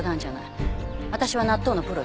私は納豆のプロよ。